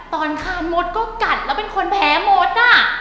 ตอนฆ่ามดก็กัดแล้วเป็นคนแพ้หมดน่ะ